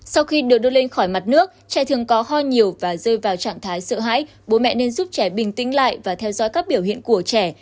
sau khi được đưa lên khỏi mặt nước trẻ thường có ho nhiều và rơi vào trạng thái sợ hãi bố mẹ nên giúp trẻ bình tĩnh lại và theo dõi các biểu hiện của trẻ